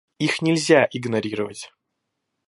Их нельзя игнорировать.